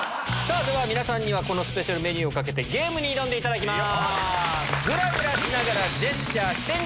皆さんにはスペシャルメニューを懸けてゲームに挑んでいただきます。